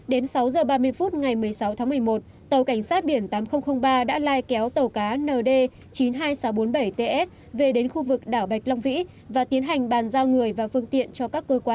đến sáu h ba mươi phút ngày một mươi sáu tháng một mươi một tàu cảnh sát biển tám nghìn ba đã lai kéo tàu cá nd chín mươi hai nghìn sáu trăm bốn mươi bảy ts về đến khu vực đảo bạch long vĩ và tiến hành bàn giao người và phương tiện cho các cơ quan